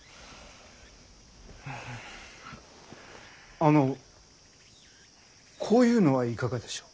あのこういうのはいかがでしょう。